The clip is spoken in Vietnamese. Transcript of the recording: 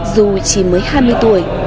dù chỉ mới hai mươi tuổi